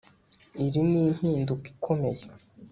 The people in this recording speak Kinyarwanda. Iri ni impinduka ikomeye